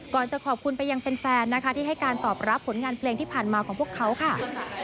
จะขอบคุณไปยังแฟนนะคะที่ให้การตอบรับผลงานเพลงที่ผ่านมาของพวกเขาค่ะ